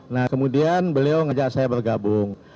nah kemudian beliau mengajak saya bergabung